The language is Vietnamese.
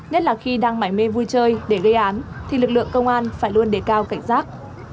nhất là khi đang mải mê vui chơi để gây án thì lực lượng công an phải luôn đề cao cảnh giác